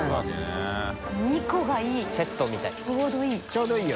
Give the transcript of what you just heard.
ちょうどいい。